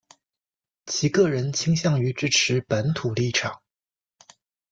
其个人倾向于支持本土立场。